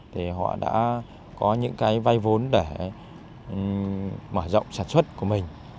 thì họ đã có những cái vay vốn để mở rộng sản xuất của mình